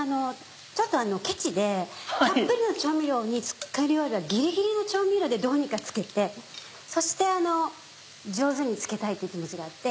ちょっとケチでたっぷりの調味料に漬けるよりはギリギリの調味料でどうにか漬けてそして上手に漬けたいって気持ちがあって。